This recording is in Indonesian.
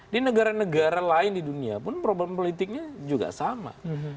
di negara negara lain di dunia pun problem politiknya juga sama